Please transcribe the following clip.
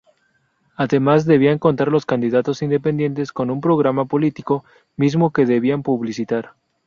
Además debían contar los candidatos independientes con un programa político, mismo que debían publicitar.